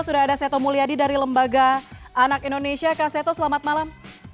sudah ada seto mulyadi dari lembaga anak indonesia kak seto selamat malam